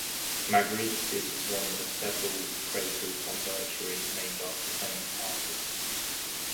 Magritte is one of several craters on Mercury named after famous artists.